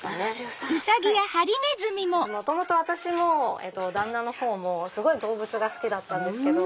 元々私も旦那の方もすごい動物が好きだったんです。